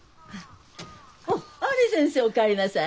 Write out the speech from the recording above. あれ先生お帰りなさい。